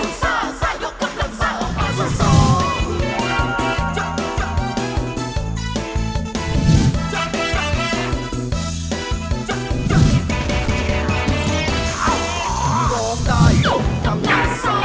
ร้องได้ยกกำลังสะ